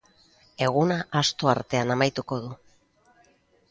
Eguna asto artean amaituko du.